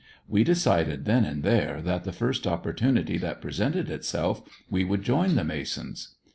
We decided then and there that the first opportunity that presented itself we would join the Masons.